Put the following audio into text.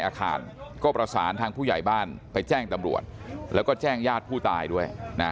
ในอาคารก็ประสานทางผู้ใหญ่บ้านไปแจ้งตำรวจจ้างญาติผู้ตายด้วย